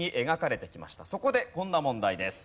そこでこんな問題です。